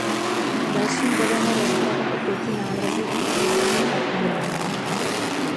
Dalším bodem je rozprava o pěti návrzích usnesení o Íránu.